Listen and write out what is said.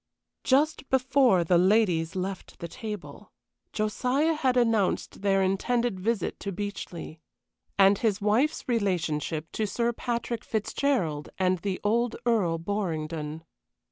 Just before the ladies left the table, Josiah had announced their intended visit to Beechleigh, and his wife's relationship to Sir Patrick Fitzgerald and the old Earl Borringdon.